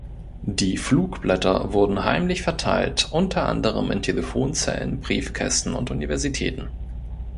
Die Flugblätter wurden heimlich verteilt, unter anderem in Telefonzellen, Briefkästen und Universitäten.